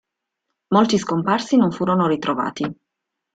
Molti scomparsi non furono ritrovati.